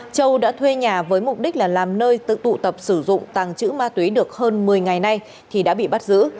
châu đã thuê nhà với mục đích là làm nơi tự tụ tập sử dụng tàng trữ ma túy được hơn một mươi ngày nay thì đã bị bắt giữ